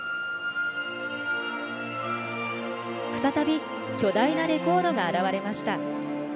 再び巨大なレコードが現れました。